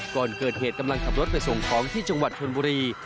ก่อนเกิดเหตุกำลังขับรถไปส่งของที่จังหวัดชนบุรี